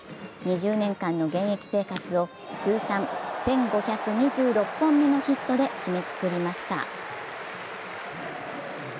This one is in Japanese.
２０年間の現役生活を通算１５２６本目のヒットで締めくくりました。